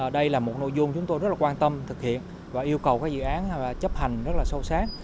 đây là một nội dung chúng tôi rất là quan tâm thực hiện và yêu cầu các dự án chấp hành rất là sâu sát